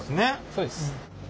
そうです。